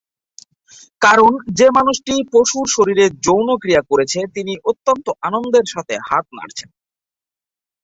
কারণ যে মানুষটি পশুর শরীরে যৌন ক্রিয়া করছে তিনি অত্যন্ত আনন্দের সাথে হাত নাড়ছেন।